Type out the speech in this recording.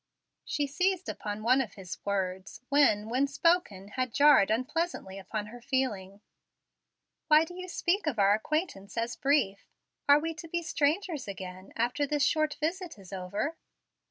She seized upon one of his words, which, when spoken, had jarred unpleasantly upon her feeling. "Why do you speak of our acquaintance as brief? Are we to be strangers again after this short visit is over?"